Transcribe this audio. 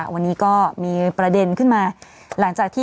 วันนี้ก็มีประเด็นที่ว่า